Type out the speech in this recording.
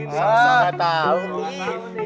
sama sama tau nih